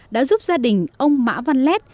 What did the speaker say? đã giúp gia đình ông mã văn lét